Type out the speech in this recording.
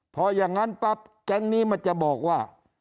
พออย่างนั้นปั๊บแก๊งนี้มันจะบอกว่า